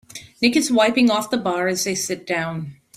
Nick is wiping off the bar as they sit down.